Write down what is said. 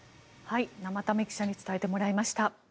生田目記者に伝えてもらいました。